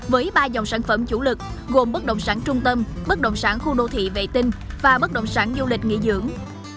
với ba dòng sản phẩm chủ lực gồm bất động sản trung tâm bất động sản khu đô thị vệ tinh và bất động sản du lịch nghỉ dưỡng